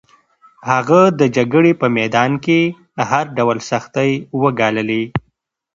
هغه د جګړې په میدان کې هر ډول سختۍ وګاللې.